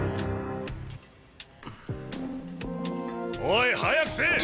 おい早くせえ！